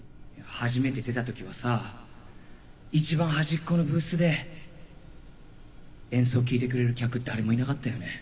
初めて出たときはさ一番はじっこのブースで演奏聴いてくれる客誰もいなかったよね。